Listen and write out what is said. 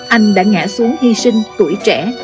anh đã ngã xuống hy sinh tuổi trẻ